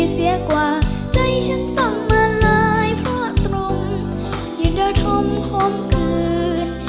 เสียกว่าใจฉันต้องมาลายเพราะตรงยืนธมคมคืน